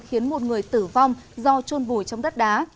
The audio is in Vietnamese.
khiến một người tử vong do trôn vùi trong đất đá